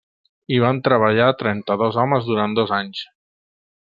Hi van treballar trenta-dos homes durant dos anys.